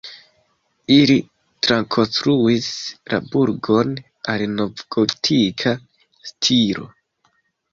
Ili trakonstruis la burgon al novgotika stilo.